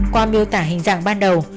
qua miêu tả hình dạng ban đầu